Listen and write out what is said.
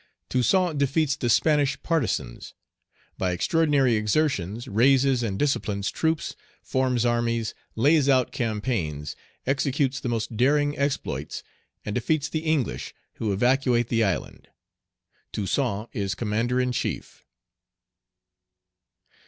Toussaint defeats the Spanish partisans By extraordinary exertions, raises and disciplines troops, forms armies, lays out campaigns, executes the most daring exploits, and defeats the English, who evacuate the island Toussaint is Commander in chief.